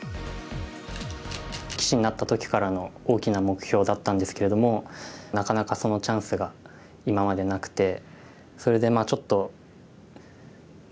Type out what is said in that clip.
棋士になった時からの大きな目標だったんですけれどもなかなかそのチャンスが今までなくて。